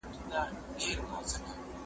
کېدای سي لوبه اوږده سي!؟